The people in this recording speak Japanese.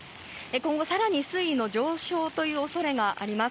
今後、更に水位の上昇という恐れがあります。